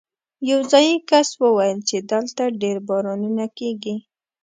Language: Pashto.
یو ځايي کس وویل چې دلته ډېر بارانونه کېږي.